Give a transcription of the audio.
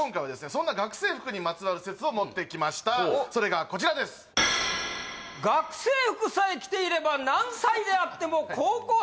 そんな学生服にまつわる説を持ってきましたそれがこちらですええ？